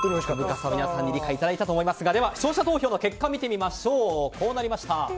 皆さんにも理解していただいたと思いますが視聴者投票の結果こうなりました。